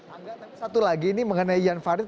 angga tapi satu lagi ini mengenai jan farid